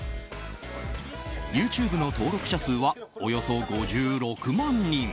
ＹｏｕＴｕｂｅの登録者数はおよそ５６万人。